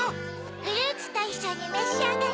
フルーツといっしょにめしあがれ！